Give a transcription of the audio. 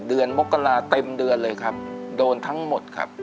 มกราเต็มเดือนเลยครับโดนทั้งหมดครับ